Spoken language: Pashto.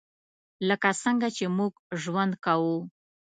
لکه څنګه چې موږ ژوند کوو .